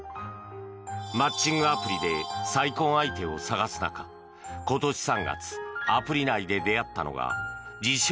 マッチングアプリで再婚相手を探す中今年３月アプリ内で出会ったのが自称